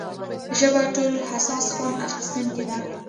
ژبه ټولو حساس خوند اخیستونکې ده.